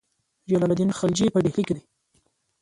جلال الدین خلجي په ډهلي کې.